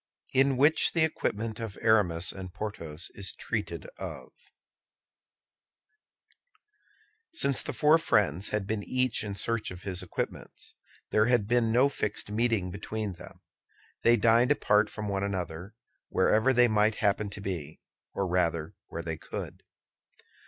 IN WHICH THE EQUIPMENT OF ARAMIS AND PORTHOS IS TREATED OF Since the four friends had been each in search of his equipments, there had been no fixed meeting between them. They dined apart from one another, wherever they might happen to be, or rather where they could.